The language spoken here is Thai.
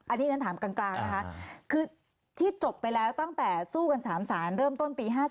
อันนี้ฉันถามกลางนะคะคือที่จบไปแล้วตั้งแต่สู้กัน๓สารเริ่มต้นปี๕๗